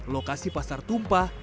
lokasi pasar tumpah